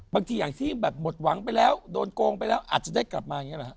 บางทีอย่างที่แบบหมดหวังไปแล้วโดนโกงไปแล้วอาจจะได้กลับมาอย่างนี้หรอครับ